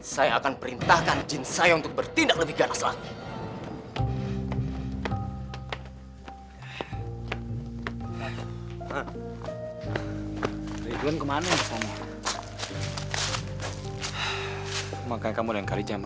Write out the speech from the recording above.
saya akan perintahkan jin saya untuk bertindak lebih gars lagi